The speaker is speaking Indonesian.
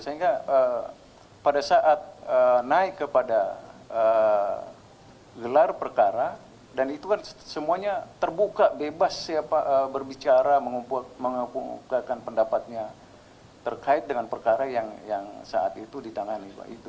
sehingga pada saat naik kepada gelar perkara dan itu kan semuanya terbuka bebas berbicara mengepungkakan pendapatnya terkait dengan perkara yang saat itu ditangani